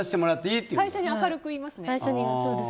最初に明るく言いますね。